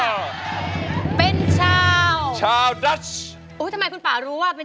ร้องได้ให้ร้อง